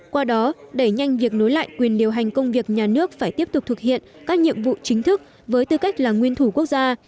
qua đó đẩy nhanh việc nối lại quyền điều hành công việc nhà nước phải tiếp tục thực hiện các nhiệm vụ chính thức với tư cách là nguyên thủ quốc gia